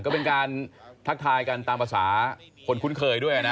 ก็เป็นการทักทายกันตามภาษาคนคุ้นเคยด้วยนะ